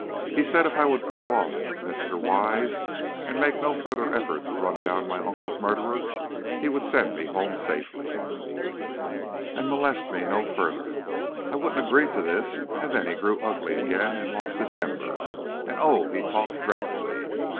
He said, if I would call off Mr. Wise and make no further effort to run down my uncle's murderer, he would send me home safely, and molest me no further. I wouldn't agree to this; and then he grew ugly again, and lost his temper, and oh, he talked dreadfully!"